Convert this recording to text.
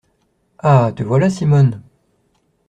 Ah ! te voilà, Simone.